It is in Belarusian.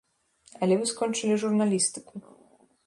Але вы скончылі журналістыку.